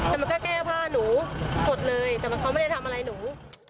แต่มันก็แก้ผ้าหนูกดเลยแต่เขาไม่ได้ทำอะไรหนู